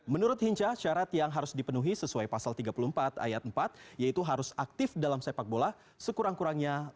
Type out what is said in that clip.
menurut hinca syarat yang harus dipenuhi sesuai pasal tiga puluh empat ayat empat yaitu harus aktif dalam sepak bola sekurang kurangnya